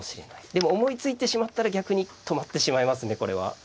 でも思いついてしまったら逆に止まってしまいますねこれは。